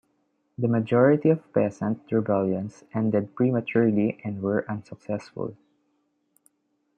The majority of peasant rebellions ended prematurely and were unsuccessful.